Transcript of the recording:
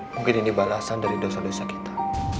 mungkin ini balasan dari dosa dosa kita